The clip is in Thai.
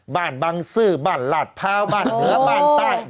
บ้านบังซื้อบ้านลาดพร้าวบ้านเหนือบ้านใต้